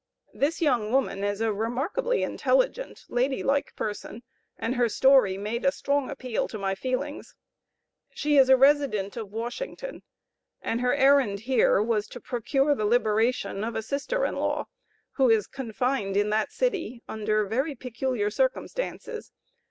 This young woman was a remarkably intelligent, lady like person, and her story made a strong appeal to my feelings. She is a resident of Washington, and her errand here was, to procure the liberation of a sister in law, who is confined in that city, under very peculiar circumstances.